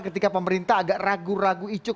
ketika pemerintah agak ragu ragu icuk